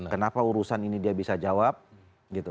kenapa urusan ini dia bisa jawab gitu